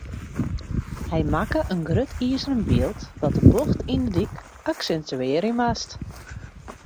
Hy makke in grut izeren byld dat de bocht yn in dyk aksintuearje moat.